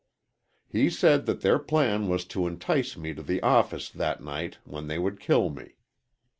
"He said that their plan was to entice me to the office that night when they would kill me.